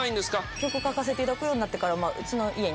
曲書かせていただくようになってから。